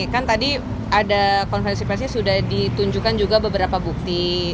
kan tadi ada konferensi persnya sudah ditunjukkan juga beberapa bukti